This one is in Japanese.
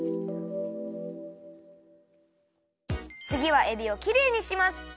つぎはえびをきれいにします。